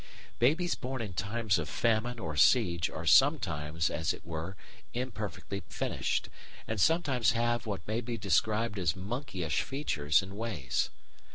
Babies born in times of famine or siege are sometimes, as it were, imperfectly finished, and sometimes have what may be described as monkeyish features and ways.